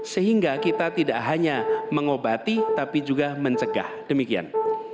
sehingga kita tidak hanya mengobati tapi juga mencegah demikian